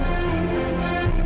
ibu kenapa kau nangis